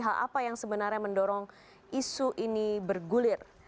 hal apa yang sebenarnya mendorong isu ini bergulir